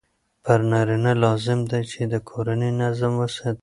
پر نارینه لازم دی چې د کورني نظم وساتي.